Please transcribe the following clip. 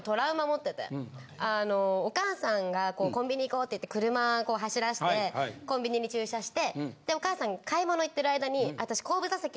お母さんがコンビニ行こうって車走らしてコンビニに駐車してお母さんが買い物行ってる間に私。